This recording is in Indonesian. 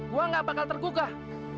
gua nggak bakal tergugah